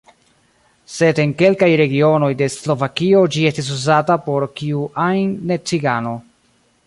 Sed en kelkaj regionoj de Slovakio ĝi estis uzata por kiu ajn ne-cigano.